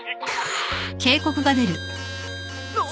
あっ！